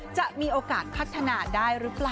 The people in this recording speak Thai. จะมีโอกาสพัฒนาได้หรือเปล่า